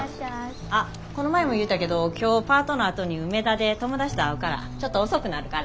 あっこの前も言うたけど今日パートのあとに梅田で友達と会うからちょっと遅くなるから。